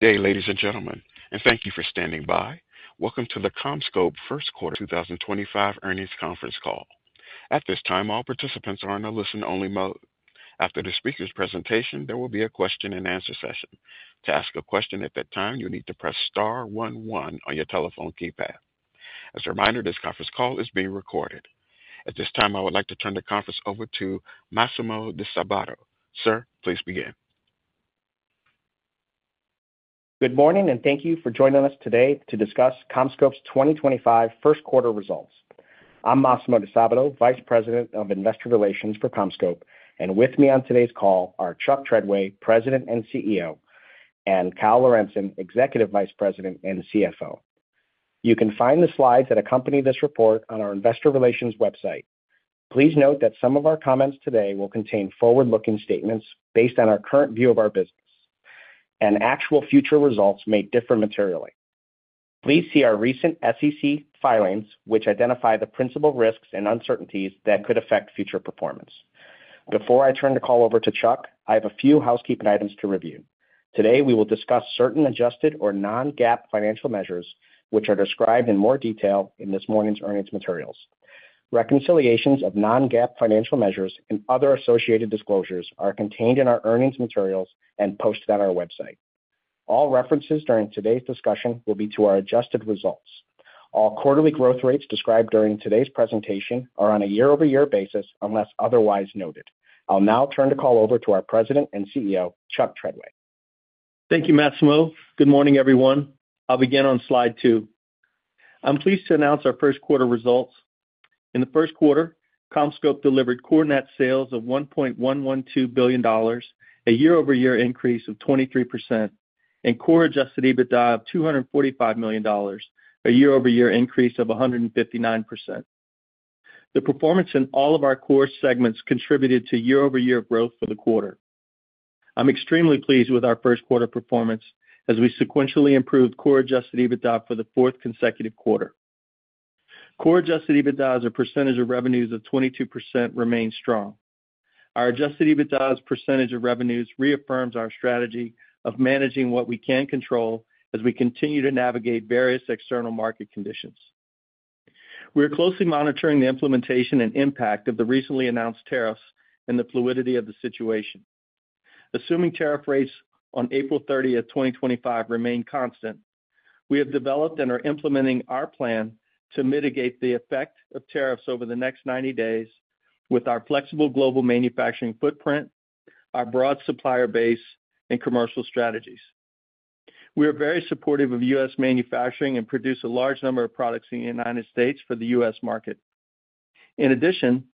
Day ladies and gentlemen, and thank you for standing by. Welcome to the CommScope First Quarter 2025 earnings conference call. At this time, all participants are in a listen-only mode. After the speaker's presentation, there will be a question-and-answer session. To ask a question at that time, you'll need to press star 11 on your telephone keypad. As a reminder, this conference call is being recorded. At this time, I would like to turn the conference over to Massimo Disabato. Sir, please begin. Good morning, and thank you for joining us today to discuss CommScope's 2025 first quarter results. I'm Massimo Disabato, Vice President of Investor Relations for CommScope, and with me on today's call are Chuck Treadway, President and CEO, and Kyle Lorentzen, Executive Vice President and CFO. You can find the slides that accompany this report on our Investor Relations website. Please note that some of our comments today will contain forward-looking statements based on our current view of our business, and actual future results may differ materially. Please see our recent SEC filings, which identify the principal risks and uncertainties that could affect future performance. Before I turn the call over to Chuck, I have a few housekeeping items to review. Today, we will discuss certain adjusted or non-GAAP financial measures, which are described in more detail in this morning's earnings materials. Reconciliations of non-GAAP financial measures and other associated disclosures are contained in our earnings materials and posted on our website. All references during today's discussion will be to our adjusted results. All quarterly growth rates described during today's presentation are on a year-over-year basis unless otherwise noted. I'll now turn the call over to our President and CEO, Chuck Treadway. Thank you, Massimo. Good morning, everyone. I'll begin on slide two. I'm pleased to announce our first quarter results. In the first quarter, CommScope delivered core net sales of $1.112 billion, a year-over-year increase of 23%, and core adjusted EBITDA of $245 million, a year-over-year increase of 159%. The performance in all of our core segments contributed to year-over-year growth for the quarter. I'm extremely pleased with our first quarter performance as we sequentially improved core adjusted EBITDA for the fourth consecutive quarter. Core adjusted EBITDA as a percentage of revenues of 22% remain strong. Our adjusted EBITDA as a percentage of revenues reaffirms our strategy of managing what we can control as we continue to navigate various external market conditions. We are closely monitoring the implementation and impact of the recently announced tariffs and the fluidity of the situation. Assuming tariff rates on April 30, 2025, remain constant, we have developed and are implementing our plan to mitigate the effect of tariffs over the next 90 days with our flexible global manufacturing footprint, our broad supplier base, and commercial strategies. We are very supportive of US manufacturing and produce a large number of products in the United States for the US market. In addition,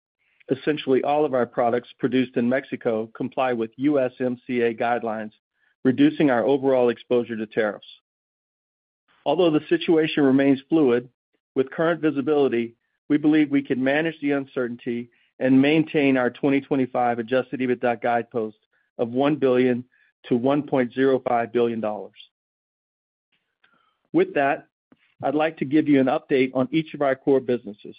essentially all of our products produced in Mexico comply with USMCA guidelines, reducing our overall exposure to tariffs. Although the situation remains fluid, with current visibility, we believe we can manage the uncertainty and maintain our 2025 adjusted EBITDA guidepost of $1 billion to $1.05 billion. With that, I'd like to give you an update on each of our core businesses.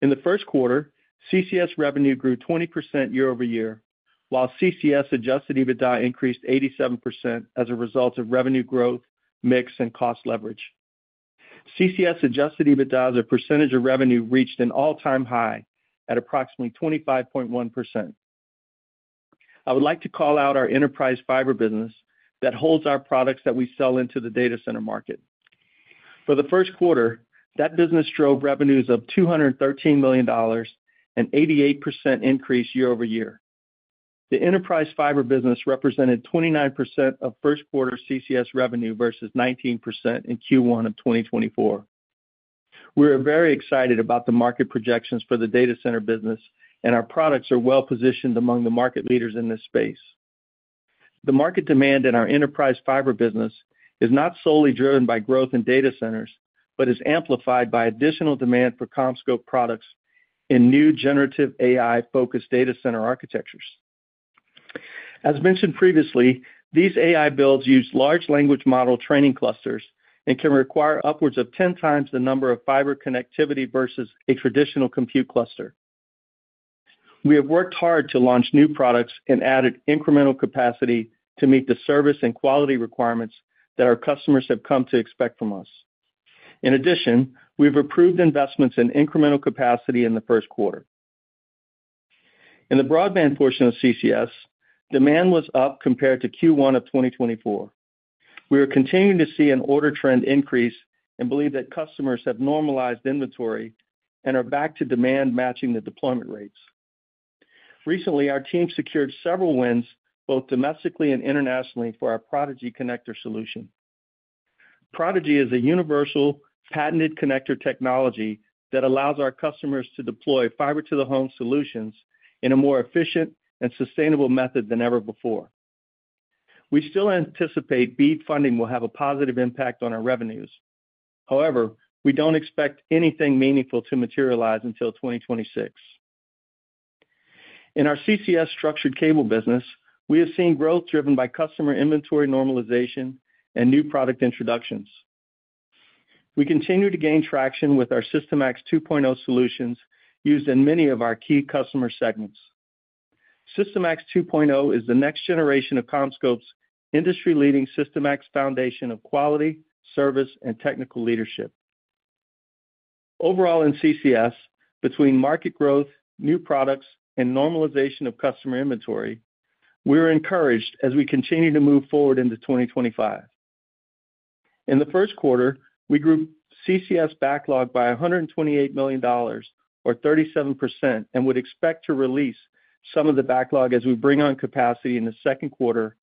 In the first quarter, CCS revenue grew 20% year-over-year, while CCS adjusted EBITDA increased 87% as a result of revenue growth, mix, and cost leverage. CCS adjusted EBITDA as a percentage of revenue reached an all-time high at approximately 25.1%. I would like to call out our enterprise fiber business that holds our products that we sell into the data center market. For the first quarter, that business drove revenues of $213 million and an 88% increase year-over-year. The enterprise fiber business represented 29% of first quarter CCS revenue versus 19% in Q1 of 2024. We are very excited about the market projections for the data center business, and our products are well positioned among the market leaders in this space. The market demand in our enterprise fiber business is not solely driven by growth in data centers, but is amplified by additional demand for CommScope products in new generative AI-focused data center architectures. As mentioned previously, these AI builds use large language model training clusters and can require upwards of 10 times the number of fiber connectivity versus a traditional compute cluster. We have worked hard to launch new products and added incremental capacity to meet the service and quality requirements that our customers have come to expect from us. In addition, we've approved investments in incremental capacity in the first quarter. In the broadband portion of CCS, demand was up compared to Q1 of 2024. We are continuing to see an order trend increase and believe that customers have normalized inventory and are back to demand matching the deployment rates. Recently, our team secured several wins both domestically and internationally for our Prodigy connector solution. Prodigy is a universal patented connector technology that allows our customers to deploy fiber-to-the-home solutions in a more efficient and sustainable method than ever before. We still anticipate BEAD funding will have a positive impact on our revenues. However, we do not expect anything meaningful to materialize until 2026. In our CCS structured cable business, we have seen growth driven by customer inventory normalization and new product introductions. We continue to gain traction with our SYSTIMAX 2.0 solutions used in many of our key customer segments. SYSTIMAX 2.0 is the next generation of CommScope's industry-leading SYSTIMAX foundation of quality, service, and technical leadership. Overall in CCS, between market growth, new products, and normalization of customer inventory, we are encouraged as we continue to move forward into 2025. In the first quarter, we grew CCS backlog by $128 million, or 37%, and would expect to release some of the backlog as we bring on capacity in the second quarter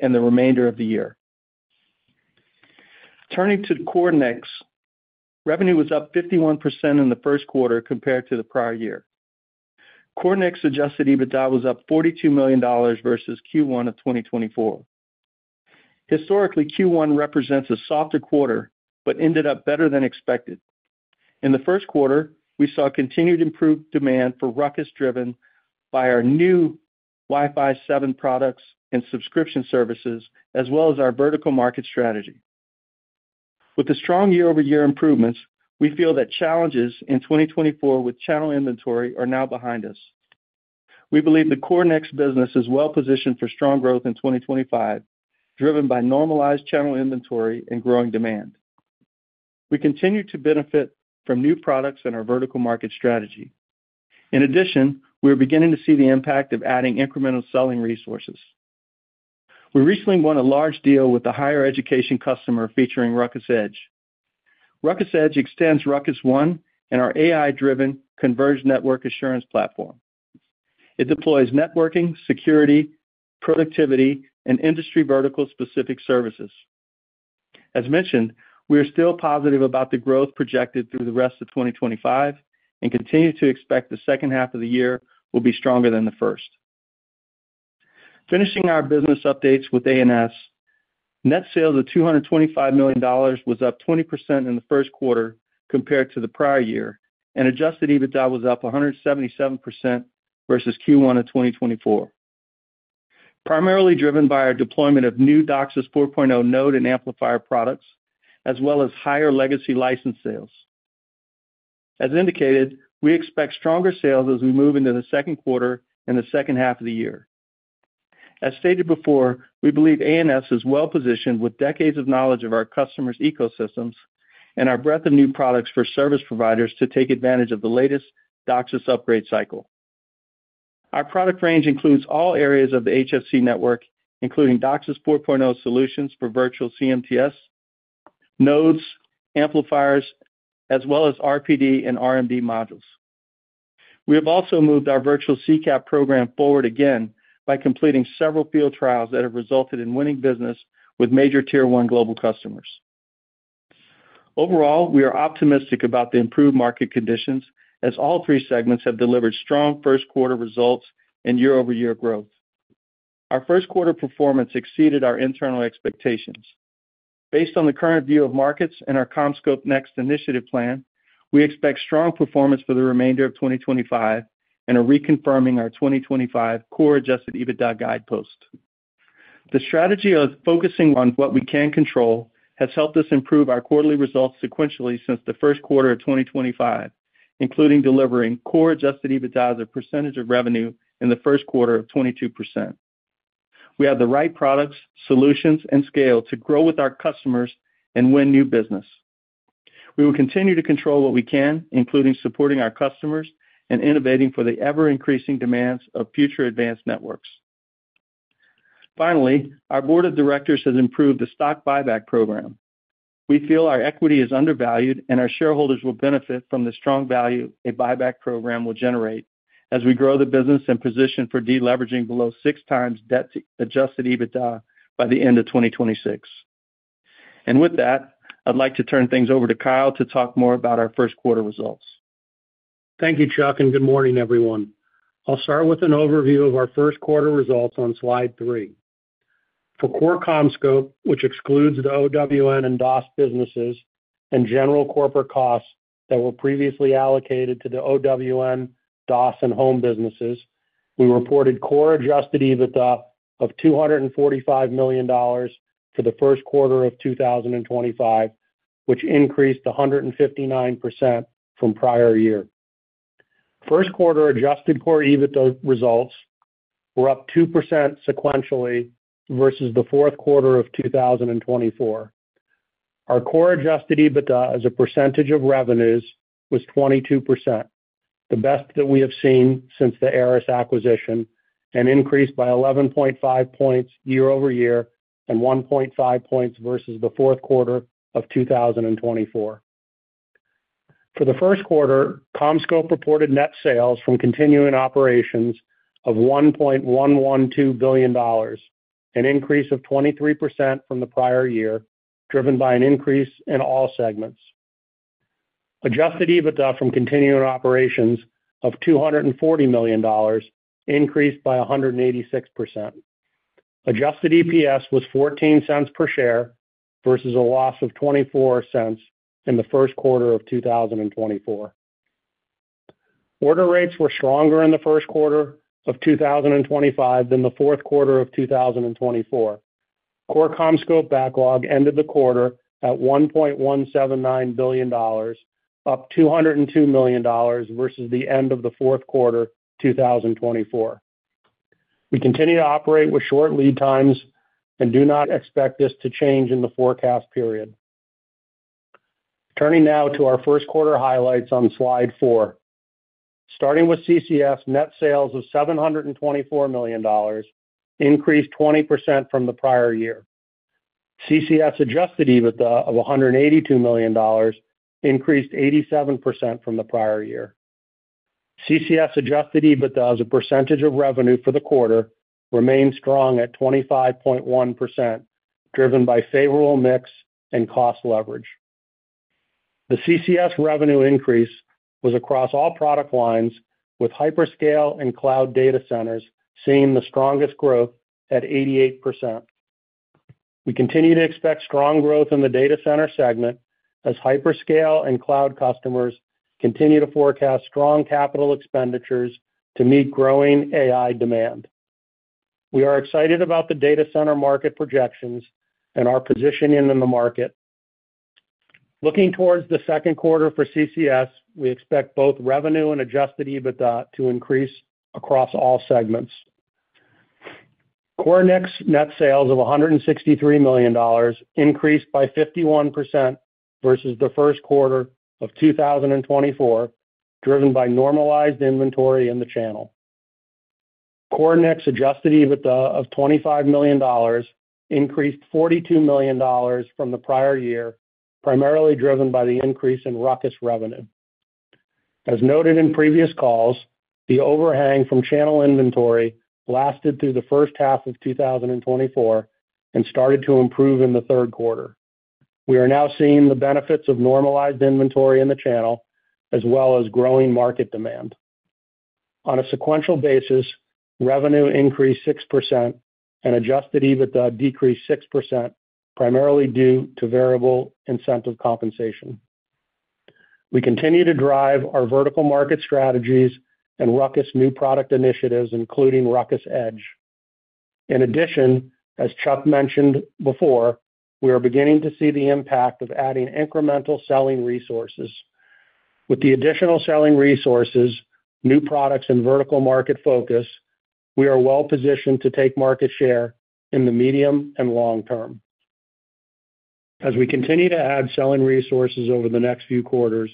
and the remainder of the year. Turning to CoreNX, revenue was up 51% in the first quarter compared to the prior year. CoreNX adjusted EBITDA was up $42 million versus Q1 of 2024. Historically, Q1 represents a softer quarter but ended up better than expected. In the first quarter, we saw continued improved demand for Ruckus driven by our new Wi-Fi 7 products and subscription services, as well as our vertical market strategy. With the strong year-over-year improvements, we feel that challenges in 2024 with channel inventory are now behind us. We believe the CoreNX business is well positioned for strong growth in 2025, driven by normalized channel inventory and growing demand. We continue to benefit from new products and our vertical market strategy. In addition, we are beginning to see the impact of adding incremental selling resources. We recently won a large deal with a higher education customer featuring Ruckus Edge. Ruckus Edge extends Ruckus One and our AI-driven converged network assurance platform. It deploys networking, security, productivity, and industry vertical-specific services. As mentioned, we are still positive about the growth projected through the rest of 2025 and continue to expect the second half of the year will be stronger than the first. Finishing our business updates with A&S, net sales of $225 million was up 20% in the first quarter compared to the prior year, and adjusted EBITDA was up 177% versus Q1 of 2024. Primarily driven by our deployment of new DOCSIS 4.0 node and amplifier products, as well as higher legacy license sales. As indicated, we expect stronger sales as we move into the second quarter and the second half of the year. As stated before, we believe A&S is well positioned with decades of knowledge of our customers' ecosystems and our breadth of new products for service providers to take advantage of the latest DOCSIS upgrade cycle. Our product range includes all areas of the HFC network, including DOCSIS 4.0 solutions for virtual CMTS, nodes, amplifiers, as well as RPD and RMD modules. We have also moved our virtual CCAP program forward again by completing several field trials that have resulted in winning business with major tier one global customers. Overall, we are optimistic about the improved market conditions as all three segments have delivered strong first quarter results and year-over-year growth. Our first quarter performance exceeded our internal expectations. Based on the current view of markets and our CommScope Next initiative plan, we expect strong performance for the remainder of 2025 and are reconfirming our 2025 core adjusted EBITDA guidepost. The strategy of focusing on what we can control has helped us improve our quarterly results sequentially since the first quarter of 2025, including delivering core adjusted EBITDA as a percentage of revenue in the first quarter of 22%. We have the right products, solutions, and scale to grow with our customers and win new business. We will continue to control what we can, including supporting our customers and innovating for the ever-increasing demands of future advanced networks. Finally, our board of directors has approved the stock buyback program. We feel our equity is undervalued, and our shareholders will benefit from the strong value a buyback program will generate as we grow the business and position for deleveraging below six times debt-adjusted EBITDA by the end of 2026. With that, I'd like to turn things over to Kyle to talk more about our first quarter results. Thank you, Chuck, and good morning, everyone. I'll start with an overview of our first quarter results on slide three. For core CommScope, which excludes the OWN and DAS businesses and general corporate costs that were previously allocated to the OWN, DAS, and home businesses, we reported core adjusted EBITDA of $245 million for the first quarter of 2025, which increased 159% from prior year. First quarter adjusted core EBITDA results were up 2% sequentially versus the fourth quarter of 2024. Our core adjusted EBITDA as a percentage of revenues was 22%, the best that we have seen since the Arris acquisition, and increased by 11.5 percentage points year-over-year and 1.5 percentage points versus the fourth quarter of 2024. For the first quarter, CommScope reported net sales from continuing operations of $1.112 billion, an increase of 23% from the prior year, driven by an increase in all segments. Adjusted EBITDA from continuing operations of $240 million increased by 186%. Adjusted EPS was $0.14 per share versus a loss of $0.24 in the first quarter of 2024. Order rates were stronger in the first quarter of 2025 than the fourth quarter of 2024. Core CommScope backlog ended the quarter at $1.179 billion, up $202 million versus the end of the fourth quarter of 2024. We continue to operate with short lead times and do not expect this to change in the forecast period. Turning now to our first quarter highlights on slide four. Starting with CCS, net sales of $724 million increased 20% from the prior year. CCS adjusted EBITDA of $182 million increased 87% from the prior year. CCS adjusted EBITDA as a percentage of revenue for the quarter remained strong at 25.1%, driven by favorable mix and cost leverage. The CCS revenue increase was across all product lines, with hyperscale and cloud data centers seeing the strongest growth at 88%. We continue to expect strong growth in the data center segment as hyperscale and cloud customers continue to forecast strong capital expenditures to meet growing AI demand. We are excited about the data center market projections and our positioning in the market. Looking towards the second quarter for CCS, we expect both revenue and adjusted EBITDA to increase across all segments. CoreNX's net sales of $163 million increased by 51% versus the first quarter of 2024, driven by normalized inventory in the channel. CoreNX adjusted EBITDA of $25 million increased $42 million from the prior year, primarily driven by the increase in Ruckus revenue. As noted in previous calls, the overhang from channel inventory lasted through the first half of 2024 and started to improve in the third quarter. We are now seeing the benefits of normalized inventory in the channel, as well as growing market demand. On a sequential basis, revenue increased 6% and adjusted EBITDA decreased 6%, primarily due to variable incentive compensation. We continue to drive our vertical market strategies and Ruckus new product initiatives, including Ruckus Edge. In addition, as Chuck mentioned before, we are beginning to see the impact of adding incremental selling resources. With the additional selling resources, new products, and vertical market focus, we are well positioned to take market share in the medium and long term. As we continue to add selling resources over the next few quarters,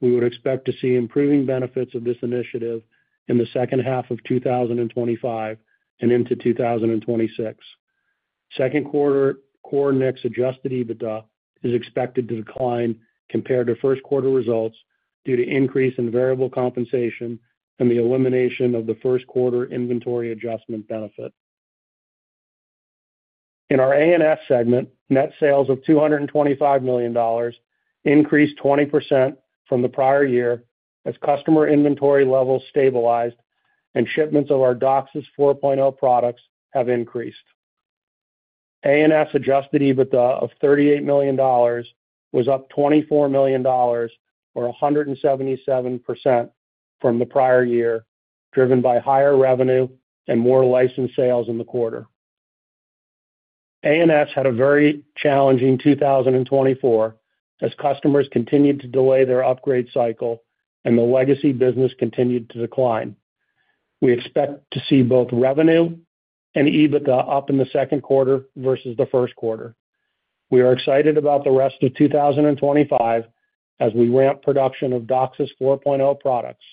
we would expect to see improving benefits of this initiative in the second half of 2025 and into 2026. Second quarter CoreNX adjusted EBITDA is expected to decline compared to first quarter results due to increase in variable compensation and the elimination of the first quarter inventory adjustment benefit. In our A&S segment, net sales of $225 million increased 20% from the prior year as customer inventory levels stabilized and shipments of our DOCSIS 4.0 products have increased. A&S adjusted EBITDA of $38 million was up $24 million, or 177%, from the prior year, driven by higher revenue and more license sales in the quarter. A&S had a very challenging 2024 as customers continued to delay their upgrade cycle and the legacy business continued to decline. We expect to see both revenue and EBITDA up in the second quarter versus the first quarter. We are excited about the rest of 2025 as we ramp production of DOCSIS 4.0 products.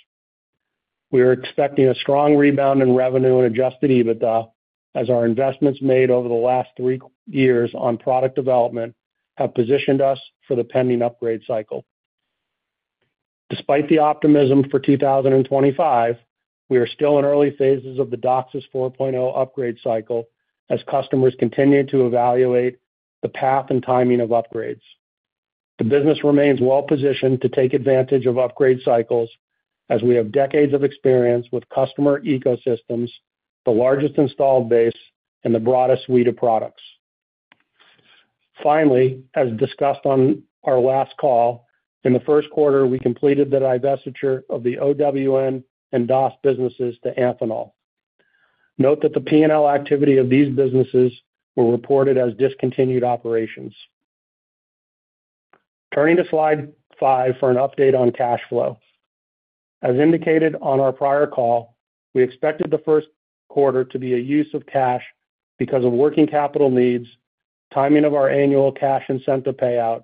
We are expecting a strong rebound in revenue and adjusted EBITDA as our investments made over the last three years on product development have positioned us for the pending upgrade cycle. Despite the optimism for 2025, we are still in early phases of the DOCSIS 4.0 upgrade cycle as customers continue to evaluate the path and timing of upgrades. The business remains well positioned to take advantage of upgrade cycles as we have decades of experience with customer ecosystems, the largest installed base, and the broadest suite of products. Finally, as discussed on our last call, in the first quarter, we completed the divestiture of the OWN and DOS businesses to Amphenol. Note that the P&L activity of these businesses was reported as discontinued operations. Turning to slide five for an update on cash flow. As indicated on our prior call, we expected the first quarter to be a use of cash because of working capital needs, timing of our annual cash incentive payout,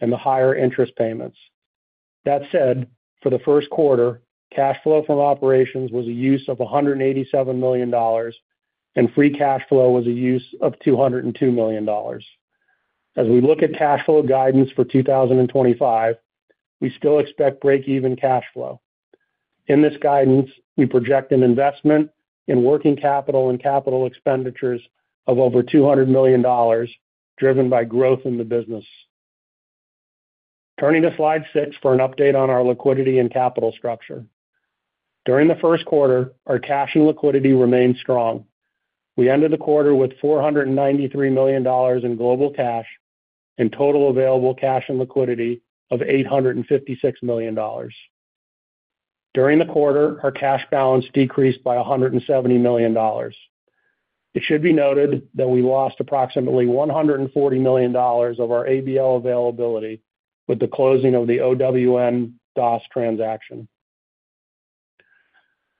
and the higher interest payments. That said, for the first quarter, cash flow from operations was a use of $187 million, and free cash flow was a use of $202 million. As we look at cash flow guidance for 2025, we still expect break-even cash flow. In this guidance, we project an investment in working capital and capital expenditures of over $200 million, driven by growth in the business. Turning to slide six for an update on our liquidity and capital structure. During the first quarter, our cash and liquidity remained strong. We ended the quarter with $493 million in global cash and total available cash and liquidity of $856 million. During the quarter, our cash balance decreased by $170 million. It should be noted that we lost approximately $140 million of our ABL availability with the closing of the OWN-DOS transaction.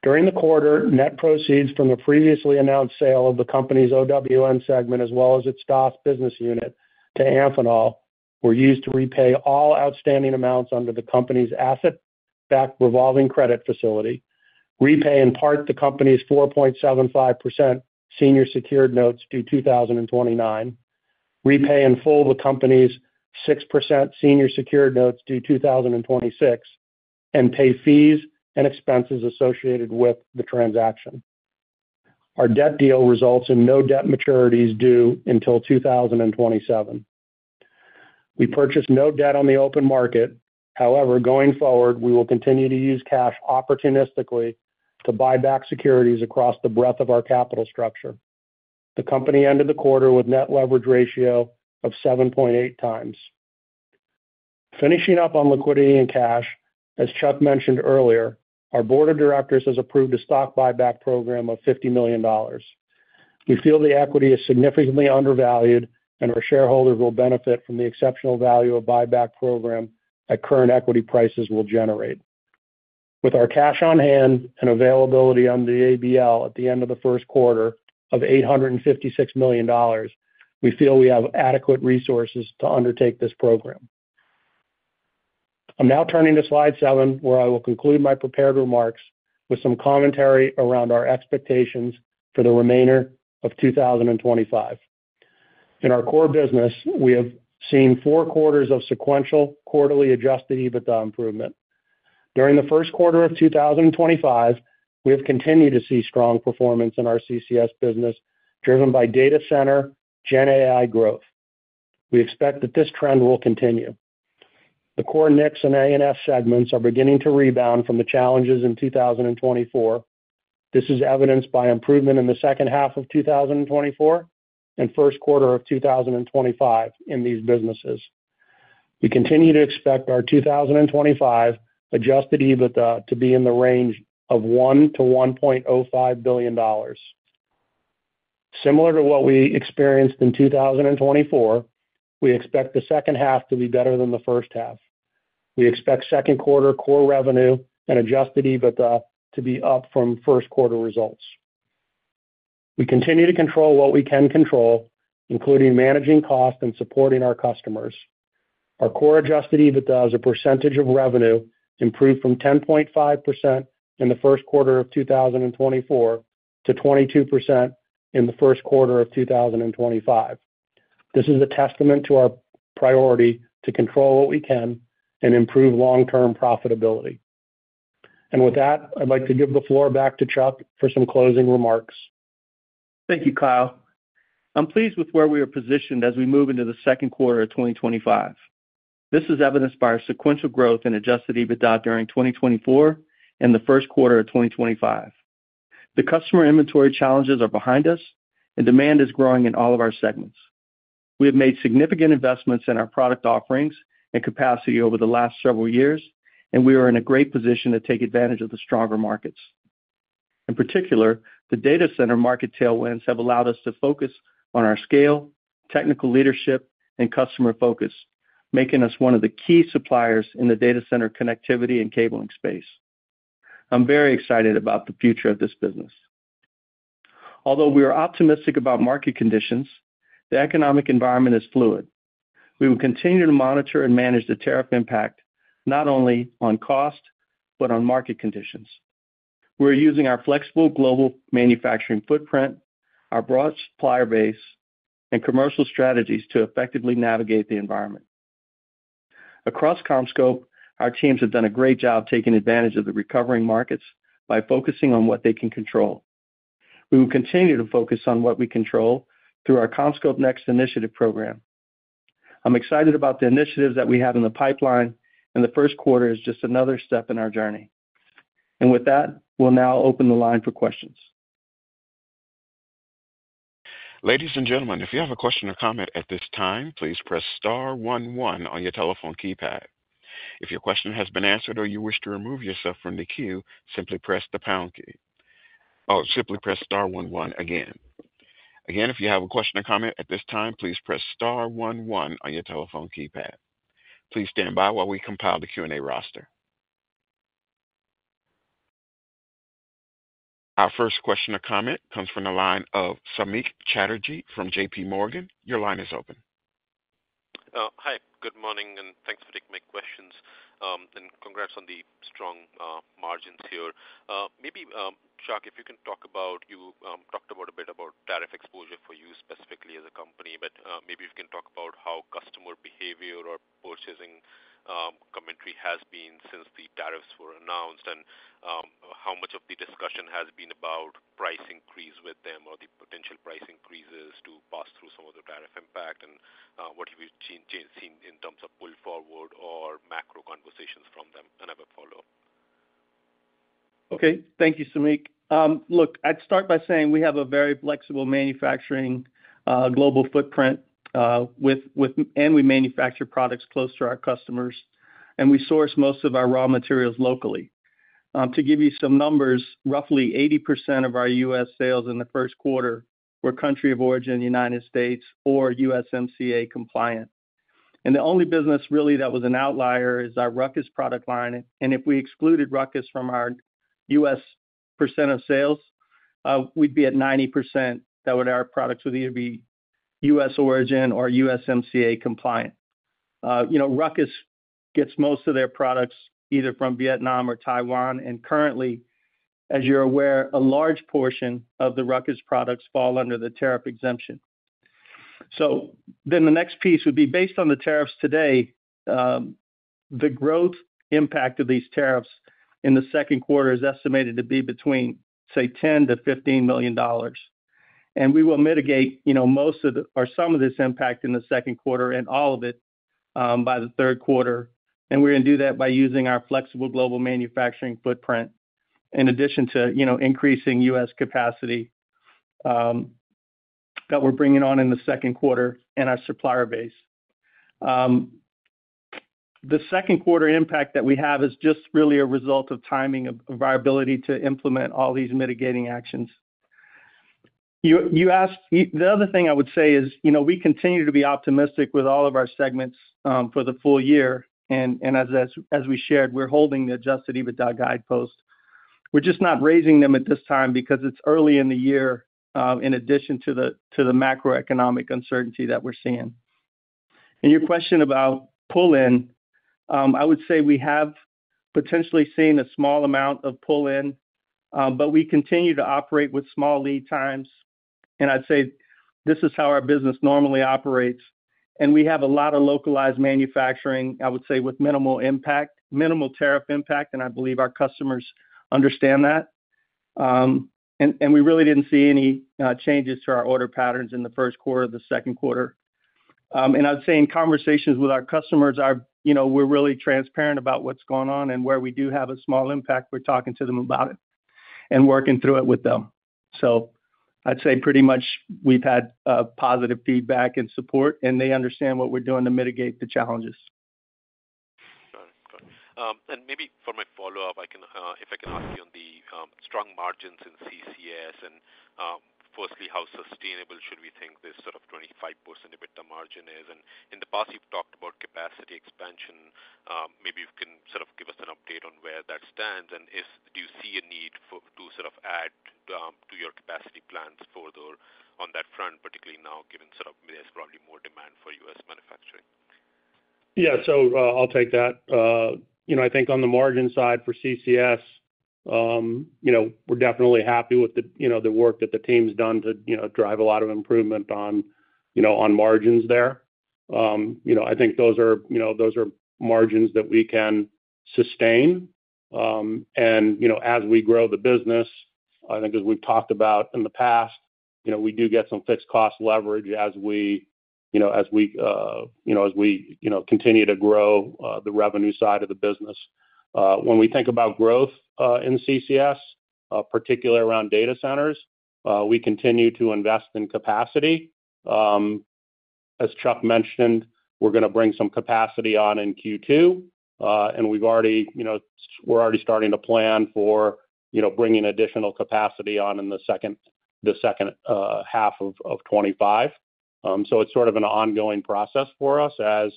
During the quarter, net proceeds from the previously announced sale of the company's OWN segment, as well as its DOS business unit to Amphenol, were used to repay all outstanding amounts under the company's asset-backed revolving credit facility, repay in part the company's 4.75% senior secured notes due 2029, repay in full the company's 6% senior secured notes due 2026, and pay fees and expenses associated with the transaction. Our debt deal results in no debt maturities due until 2027. We purchased no debt on the open market. However, going forward, we will continue to use cash opportunistically to buy back securities across the breadth of our capital structure. The company ended the quarter with a net leverage ratio of 7.8 times. Finishing up on liquidity and cash, as Chuck mentioned earlier, our board of directors has approved a stock buyback program of $50 million. We feel the equity is significantly undervalued, and our shareholders will benefit from the exceptional value of the buyback program at current equity prices we'll generate. With our cash on hand and availability under the ABL at the end of the first quarter of $856 million, we feel we have adequate resources to undertake this program. I'm now turning to slide seven, where I will conclude my prepared remarks with some commentary around our expectations for the remainder of 2025. In our core business, we have seen four quarters of sequential quarterly adjusted EBITDA improvement. During the first quarter of 2025, we have continued to see strong performance in our CCS business, driven by data center GenAI growth. We expect that this trend will continue. The CoreNX and A&S segments are beginning to rebound from the challenges in 2024. This is evidenced by improvement in the second half of 2024 and first quarter of 2025 in these businesses. We continue to expect our 2025 adjusted EBITDA to be in the range of $1 billion to $1.05 billion. Similar to what we experienced in 2024, we expect the second half to be better than the first half. We expect second quarter core revenue and adjusted EBITDA to be up from first quarter results. We continue to control what we can control, including managing costs and supporting our customers. Our core adjusted EBITDA as a percentage of revenue improved from 10.5% in the first quarter of 2024 to 22% in the first quarter of 2025. This is a testament to our priority to control what we can and improve long-term profitability. With that, I'd like to give the floor back to Chuck for some closing remarks. Thank you, Kyle. I'm pleased with where we are positioned as we move into the second quarter of 2025. This is evidenced by our sequential growth in adjusted EBITDA during 2024 and the first quarter of 2025. The customer inventory challenges are behind us, and demand is growing in all of our segments. We have made significant investments in our product offerings and capacity over the last several years, and we are in a great position to take advantage of the stronger markets. In particular, the data center market tailwinds have allowed us to focus on our scale, technical leadership, and customer focus, making us one of the key suppliers in the data center connectivity and cabling space. I'm very excited about the future of this business. Although we are optimistic about market conditions, the economic environment is fluid. We will continue to monitor and manage the tariff impact not only on cost but on market conditions. We are using our flexible global manufacturing footprint, our broad supplier base, and commercial strategies to effectively navigate the environment. Across CommScope, our teams have done a great job taking advantage of the recovering markets by focusing on what they can control. We will continue to focus on what we control through our CommScope Next initiative program. I'm excited about the initiatives that we have in the pipeline, and the first quarter is just another step in our journey. With that, we'll now open the line for questions. Ladies and gentlemen, if you have a question or comment at this time, please press star 11 on your telephone keypad. If your question has been answered or you wish to remove yourself from the queue, simply press the pound key. Oh, simply press star 11 again. If you have a question or comment at this time, please press star 11 on your telephone keypad. Please stand by while we compile the Q&A roster. Our first question or comment comes from the line of Samik Chatterjee from JPMorgan. Your line is open. Hi, good morning, and thanks for taking my questions. Congrats on the strong margins here. Maybe, Chuck, if you can talk about you talked a bit about tariff exposure for you specifically as a company, but maybe you can talk about how customer behavior or purchasing commentary has been since the tariffs were announced and how much of the discussion has been about price increase with them or the potential price increases to pass through some of the tariff impact and what have you seen in terms of pull forward or macro conversations from them and have a follow-up. Okay, thank you, Samik. Look, I'd start by saying we have a very flexible manufacturing global footprint, and we manufacture products close to our customers, and we source most of our raw materials locally. To give you some numbers, roughly 80% of our US sales in the first quarter were country of origin United States or USMCA compliant. The only business really that was an outlier is our Ruckus product line. If we excluded Ruckus from our US % of sales, we'd be at 90% that our products would either be US origin or USMCA compliant. Ruckus gets most of their products either from Vietnam or Taiwan. Currently, as you're aware, a large portion of the Ruckus products fall under the tariff exemption. The next piece would be based on the tariffs today, the growth impact of these tariffs in the second quarter is estimated to be between $10 to $15 million. We will mitigate most of or some of this impact in the second quarter and all of it by the third quarter. We are going to do that by using our flexible global manufacturing footprint in addition to increasing US capacity that we are bringing on in the second quarter and our supplier base. The second quarter impact that we have is just really a result of timing of our ability to implement all these mitigating actions. The other thing I would say is we continue to be optimistic with all of our segments for the full year. As we shared, we are holding the adjusted EBITDA guidepost. We are just not raising them at this time because it is early in the year in addition to the macroeconomic uncertainty that we are seeing. Your question about pull-in, I would say we have potentially seen a small amount of pull-in, but we continue to operate with small lead times. I would say this is how our business normally operates. We have a lot of localized manufacturing, I would say, with minimal impact, minimal tariff impact. I believe our customers understand that. We really did not see any changes to our order patterns in the first quarter or the second quarter. I would say in conversations with our customers, we are really transparent about what is going on and where we do have a small impact. We are talking to them about it and working through it with them. I would say pretty much we have had positive feedback and support, and they understand what we are doing to mitigate the challenges. Got it. Maybe for my follow-up, if I can ask you on the strong margins in CCS and firstly, how sustainable should we think this sort of 25% EBITDA margin is? In the past, you have talked about capacity expansion. Maybe you can sort of give us an update on where that stands. Do you see a need to sort of add to your capacity plans further on that front, particularly now given sort of there's probably more demand for US manufacturing? Yeah, I'll take that. I think on the margin side for CCS, we're definitely happy with the work that the team's done to drive a lot of improvement on margins there. I think those are margins that we can sustain. As we grow the business, I think as we've talked about in the past, we do get some fixed cost leverage as we continue to grow the revenue side of the business. When we think about growth in CCS, particularly around data centers, we continue to invest in capacity. As Chuck mentioned, we're going to bring some capacity on in Q2. We're already starting to plan for bringing additional capacity on in the second half of 2025. It is sort of an ongoing process for us as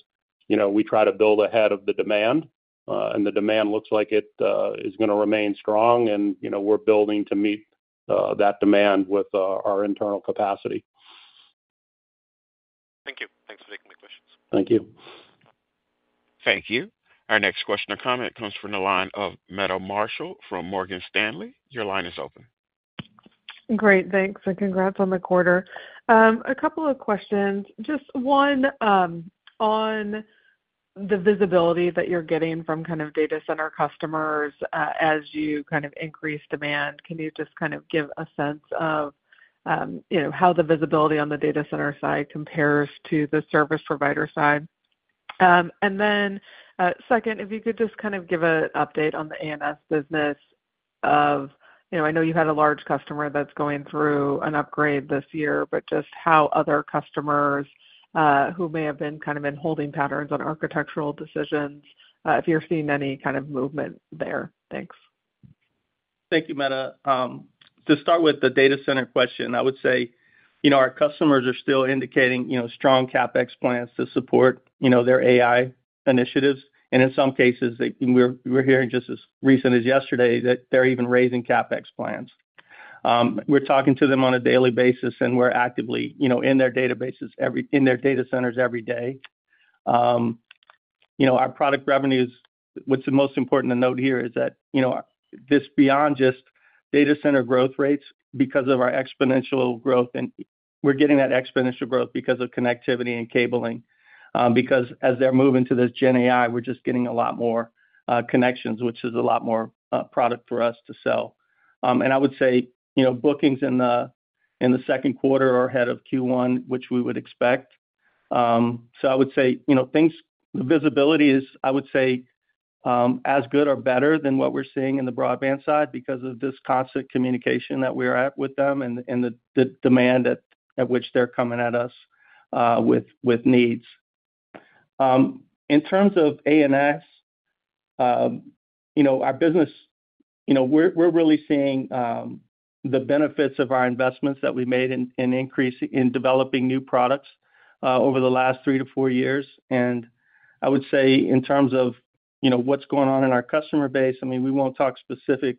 we try to build ahead of the demand. The demand looks like it is going to remain strong, and we're building to meet that demand with our internal capacity. Thank you. Thanks for taking my questions. Thank you. Thank you. Our next question or comment comes from the line of Meta Marshall from Morgan Stanley. Your line is open. Great. Thanks. Congrats on the quarter. A couple of questions. Just one on the visibility that you're getting from kind of data center customers as you kind of increase demand. Can you just kind of give a sense of how the visibility on the data center side compares to the service provider side? If you could just kind of give an update on the A&S business, I know you had a large customer that's going through an upgrade this year, but just how other customers who may have been kind of in holding patterns on architectural decisions, if you're seeing any kind of movement there. Thanks. Thank you, Meta. To start with the data center question, I would say our customers are still indicating strong CapEx plans to support their AI initiatives. In some cases, we're hearing just as recent as yesterday that they're even raising CapEx plans. We're talking to them on a daily basis, and we're actively in their databases, in their data centers every day. Our product revenues, what's the most important to note here is that this is beyond just data center growth rates, because of our exponential growth, and we're getting that exponential growth because of connectivity and cabling. Because as they're moving to this GenAI, we're just getting a lot more connections, which is a lot more product for us to sell. I would say bookings in the second quarter are ahead of Q1, which we would expect. I would say the visibility is, I would say, as good or better than what we're seeing in the broadband side because of this constant communication that we are at with them and the demand at which they're coming at us with needs. In terms of A&S, our business, we're really seeing the benefits of our investments that we made in developing new products over the last three to four years. I would say in terms of what's going on in our customer base, I mean, we won't talk specific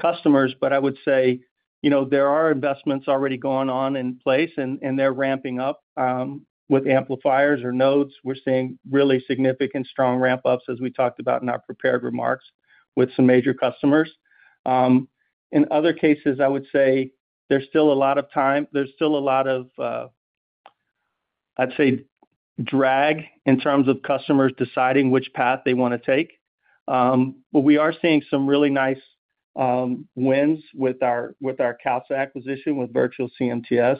customers, but I would say there are investments already going on in place, and they're ramping up with amplifiers or nodes. We're seeing really significant strong ramp-ups, as we talked about in our prepared remarks, with some major customers. In other cases, I would say there's still a lot of time. There's still a lot of, I'd say, drag in terms of customers deciding which path they want to take. We are seeing some really nice wins with our Casa acquisition with Virtual CMTS.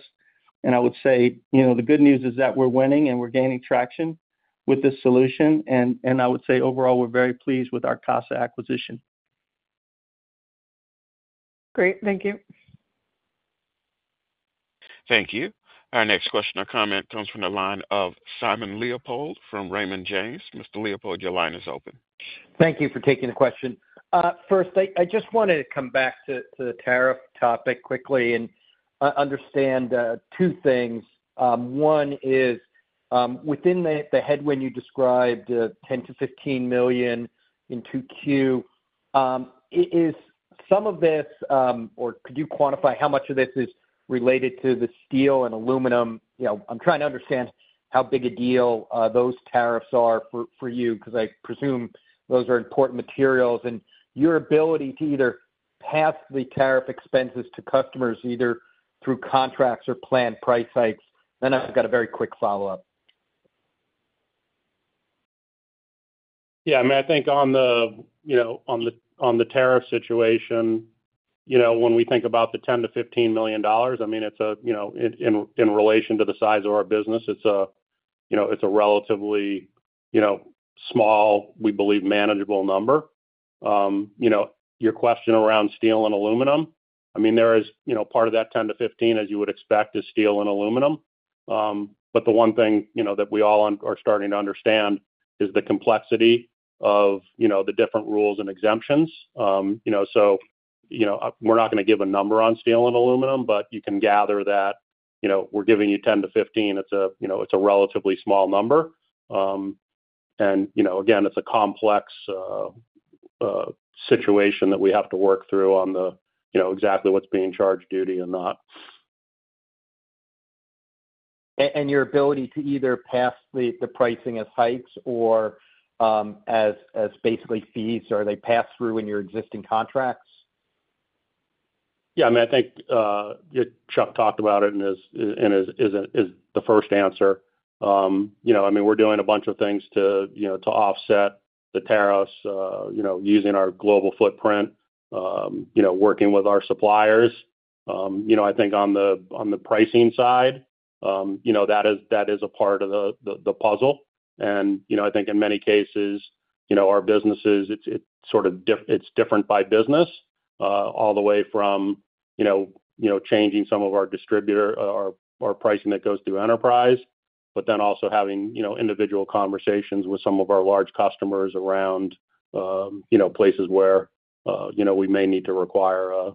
I would say the good news is that we're winning and we're gaining traction with this solution. I would say overall, we're very pleased with our Casa acquisition. Great. Thank you. Thank you. Our next question or comment comes from the line of Simon Leopold from Raymond James. Mr. Leopold, your line is open. Thank you for taking the question. First, I just wanted to come back to the tariff topic quickly and understand two things. One is within the headwind you described, $10 million to $15 million in Q2, is some of this or could you quantify how much of this is related to the steel and aluminum? I'm trying to understand how big a deal those tariffs are for you because I presume those are important materials and your ability to either pass the tariff expenses to customers either through contracts or planned price hikes. Then I've got a very quick follow-up. Yeah. I mean, I think on the tariff situation, when we think about the $10 million to $15 million, I mean, in relation to the size of our business, it's a relatively small, we believe, manageable number. Your question around steel and aluminum, I mean, there is part of that $10 million to $15 million, as you would expect, is steel and aluminum. The one thing that we all are starting to understand is the complexity of the different rules and exemptions. We are not going to give a number on steel and aluminum, but you can gather that we're giving you $10 million to $15 million. It's a relatively small number. Again, it's a complex situation that we have to work through on exactly what's being charged duty and not. Your ability to either pass the pricing as hikes or as basically fees, are they passed through in your existing contracts? Yeah. I mean, I think Chuck talked about it and is the first answer. I mean, we're doing a bunch of things to offset the tariffs using our global footprint, working with our suppliers. I think on the pricing side, that is a part of the puzzle. I think in many cases, our businesses, it's sort of different by business all the way from changing some of our distributor or pricing that goes through enterprise, but then also having individual conversations with some of our large customers around places where we may need to require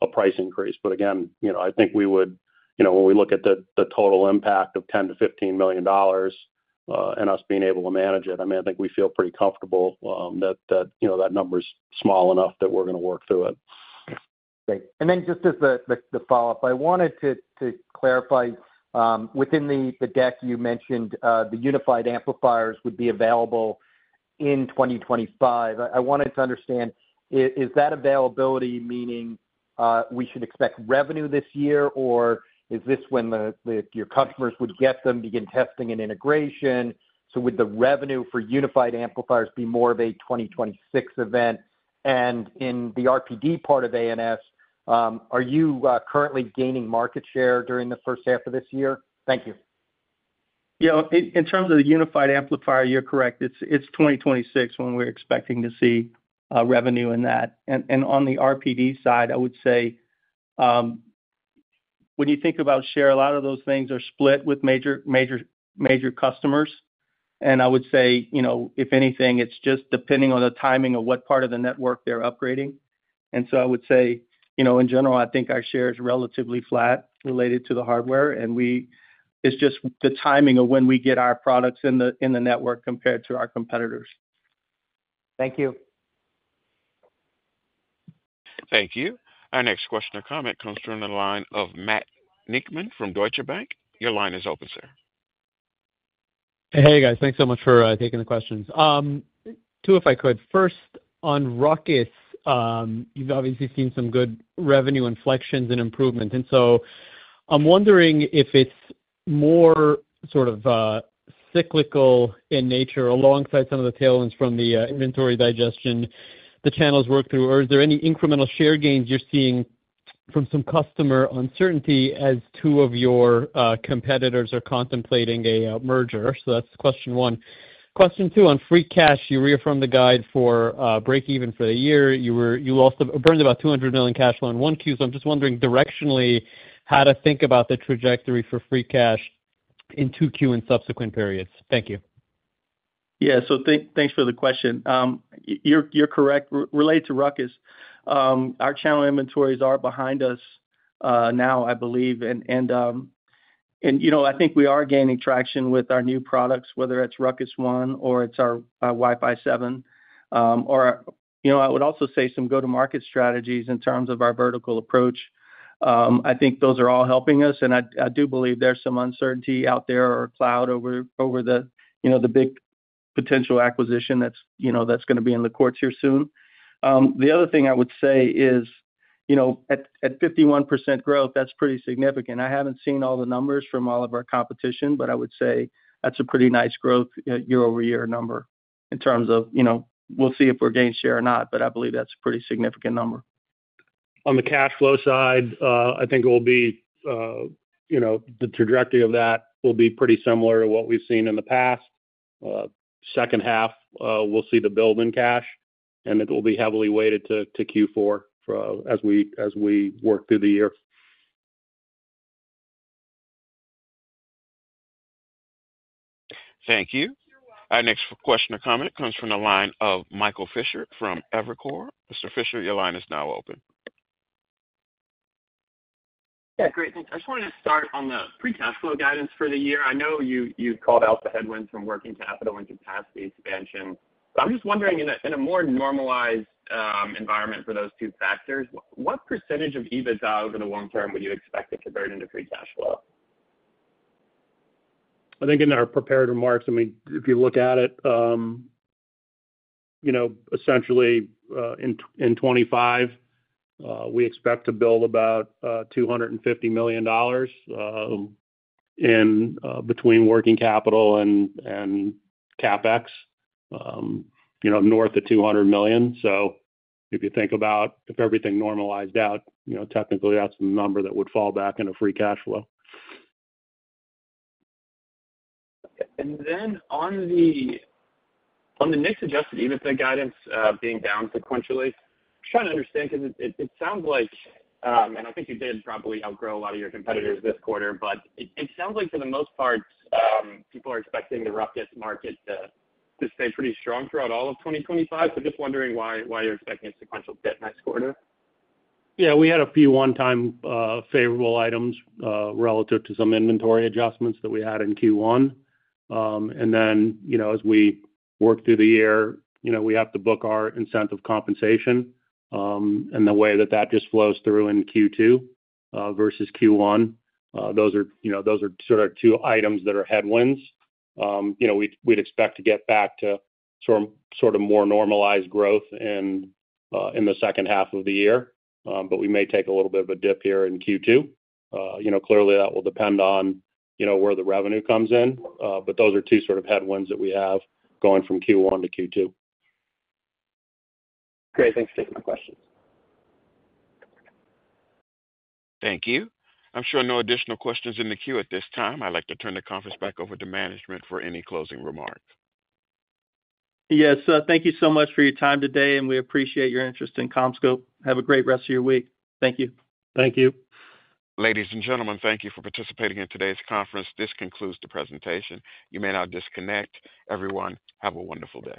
a price increase. Again, I think we would, when we look at the total impact of $10 million to $15 million and us being able to manage it, I mean, I think we feel pretty comfortable that that number is small enough that we're going to work through it. Great. Just as the follow-up, I wanted to clarify within the deck, you mentioned the unified amplifiers would be available in 2025. I wanted to understand, is that availability meaning we should expect revenue this year, or is this when your customers would get them, begin testing and integration? Would the revenue for unified amplifiers be more of a 2026 event? In the RPD part of A&S, are you currently gaining market share during the first half of this year? Thank you. Yeah. In terms of the unified amplifier, you're correct. It's 2026 when we're expecting to see revenue in that. On the RPD side, I would say when you think about share, a lot of those things are split with major customers. I would say, if anything, it's just depending on the timing of what part of the network they're upgrading. I would say, in general, I think our share is relatively flat related to the hardware. It's just the timing of when we get our products in the network compared to our competitors. Thank you. Thank you. Our next question or comment comes from the line of Matt Nicknam from Deutsche Bank. Your line is open, sir. Hey, guys. Thanks so much for taking the questions. Two, if I could. First, on Ruckus, you've obviously seen some good revenue inflections and improvements. I'm wondering if it's more sort of cyclical in nature alongside some of the tailwinds from the inventory digestion the channels work through, or is there any incremental share gains you're seeing from some customer uncertainty as two of your competitors are contemplating a merger? That's question one. Question two, on FreeCash, you reaffirmed the guide for break-even for the year. You burned about $200 million cash flow in Q1. I'm just wondering directionally how to think about the trajectory for FreeCash in Q2 and subsequent periods. Thank you. Yeah. Thanks for the question. You're correct. Related to Ruckus, our channel inventories are behind us now, I believe. I think we are gaining traction with our new products, whether it's Ruckus One or it's our Wi-Fi 7. I would also say some go-to-market strategies in terms of our vertical approach. I think those are all helping us. I do believe there's some uncertainty out there or cloud over the big potential acquisition that's going to be in the courts here soon. The other thing I would say is at 51% growth, that's pretty significant. I haven't seen all the numbers from all of our competition, but I would say that's a pretty nice growth year-over-year number in terms of we'll see if we're gaining share or not, but I believe that's a pretty significant number. On the cash flow side, I think it will be the trajectory of that will be pretty similar to what we've seen in the past. Second half, we'll see the build in cash, and it will be heavily weighted to Q4 as we work through the year. Thank you. Our next question or comment comes from the line of Michael Fisher from Evercore. Mr. Fisher, your line is now open. Yeah. Great. Thanks. I just wanted to start on the free cash flow guidance for the year. I know you called out the headwinds from working capital and capacity expansion. I am just wondering, in a more normalized environment for those two factors, what percentage of EBITDA over the long term would you expect to convert into free cash flow? I think in our prepared remarks, I mean, if you look at it, essentially in 2025, we expect to build about $250 million between working capital and CapEx north of $200 million. If you think about if everything normalized out, technically, that is the number that would fall back into free cash flow. On the next adjusted EBITDA guidance being down sequentially, I'm trying to understand because it sounds like, and I think you did probably outgrow a lot of your competitors this quarter, but it sounds like for the most part, people are expecting the Ruckus market to stay pretty strong throughout all of 2025.Just wondering why you're expecting a sequential dip next quarter. Yeah. We had a few one-time favorable items relative to some inventory adjustments that we had in Q1. As we work through the year, we have to book our incentive compensation in the way that just flows through in Q2 versus Q1. Those are sort of two items that are headwinds. We'd expect to get back to sort of more normalized growth in the second half of the year, but we may take a little bit of a dip here in Q2. Clearly, that will depend on where the revenue comes in. Those are two sort of headwinds that we have going from Q1 to Q2. Great. Thanks for taking the questions. Thank you. I'm sure no additional questions in the queue at this time. I'd like to turn the conference back over to management for any closing remarks. Yes. Thank you so much for your time today, and we appreciate your interest in CommScope. Have a great rest of your week. Thank you. Thank you. Ladies and gentlemen, thank you for participating in today's conference. This concludes the presentation. You may now disconnect. Everyone, have a wonderful day.